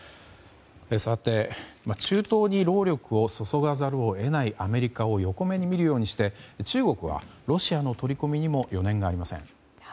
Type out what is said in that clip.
中東に労力を注がざるを得ないアメリカを横目に見るようにして中国はロシアの取り込みにも余念がありません。